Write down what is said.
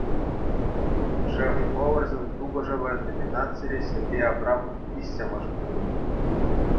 «Шеф-поварсен тупӑшӑвӗ» номинацире Сергей Абрамов виҫҫӗмӗш пулнӑ.